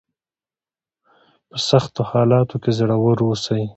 په سختو حالاتو کې زړور اوسئ.